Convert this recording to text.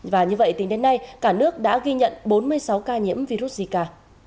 và như vậy tính đến nay cả nước đã ghi nhận bốn mươi sáu ca nhiễm virus zika